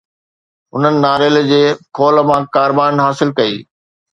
هنن ناريل جي خول مان ڪاربان حاصل ڪئي